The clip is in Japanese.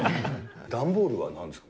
段ボールはなんですか？